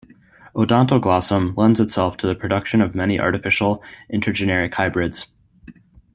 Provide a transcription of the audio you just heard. Odontoglossum lends itself to the production of many artificial intergeneric hybrids.